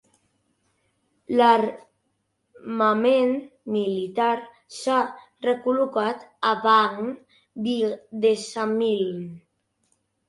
L'armament militar s'ha recol·locat a Bagn Bygdesamling.